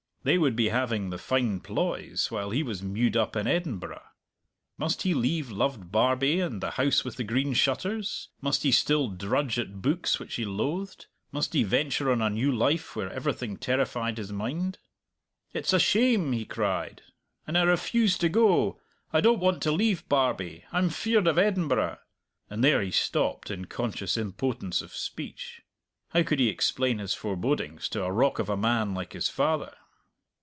They would be having the fine ploys while he was mewed up in Edinburgh. Must he leave loved Barbie and the House with the Green Shutters? must he still drudge at books which he loathed? must he venture on a new life where everything terrified his mind? "It's a shame!" he cried. "And I refuse to go. I don't want to leave Barbie! I'm feared of Edinburgh," and there he stopped in conscious impotence of speech. How could he explain his forebodings to a rock of a man like his father?